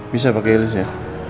bisa pakai helis ya